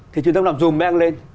thì truyền thông làm zoom mang lên